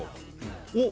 「おっ！